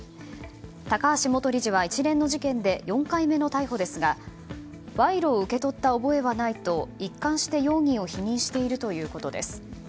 高橋元理事は一連の事件で４回目の逮捕ですが賄賂を受け取った覚えはないと一貫して容疑を否認しているということです。